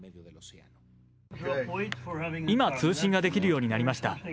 今、通信ができるようになりました。